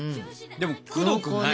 でもくどくない。